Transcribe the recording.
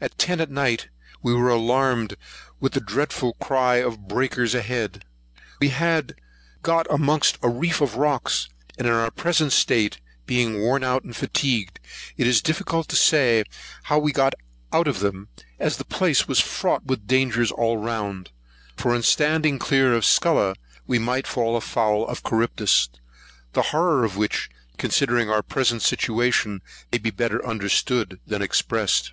At ten at night we were alarmed with the dreadful cry of breakers ahead. We had got amongst a reef of rocks; and in our present state, being worn out and fatigued, it is difficult to say how we got out of them, as the place was fraught with danger all round; for in standing clear of Scylla, we might fall foul of Charybdis; the horror of which, considering our present situation, may be better understood than expressed.